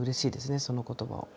その言葉を。